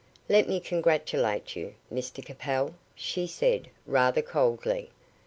"Let me congratulate you, Mr Capel," she said, rather coldly.